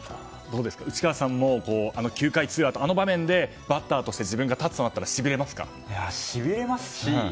内川さんも９回ツーアウトの場面でバッターとして自分が立つとなったらしびれますし